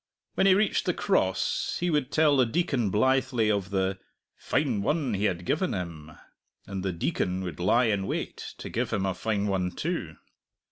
When he reached the Cross he would tell the Deacon blithely of the "fine one he had given him," and the Deacon would lie in wait to give him a fine one too.